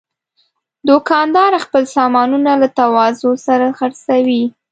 دوکاندار خپل سامانونه له تواضع سره خرڅوي.